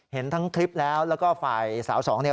เห็นทั้งคลิปแล้วแล้วก็ไฟล์สาว๒นี่